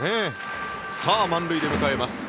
さあ、満塁で迎えます